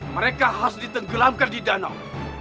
mereka harus ditenggelamkan di danau